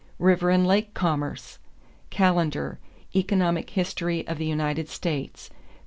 =River and Lake Commerce.= Callender, Economic History of the United States, pp.